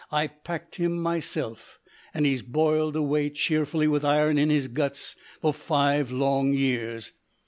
I packed him myself, and he's boiled away cheerfully with iron in his guts for five long years.